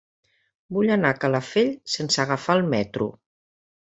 Vull anar a Calafell sense agafar el metro.